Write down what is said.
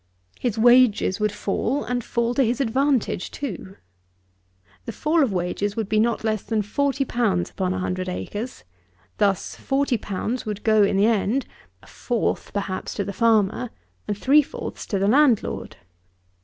His wages would fall, and fall to his advantage too. The fall of wages would be not less than 40_l._ upon a hundred acres. Thus 40_l._ would go, in the end, a fourth, perhaps to the farmer, and three fourths to the landlord.